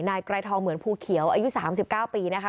นายไกรทองเหมือนภูเขียวอายุ๓๙ปีนะคะ